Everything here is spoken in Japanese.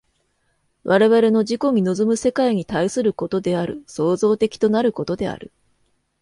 我々の自己に臨む世界に対することである、創造的となることである。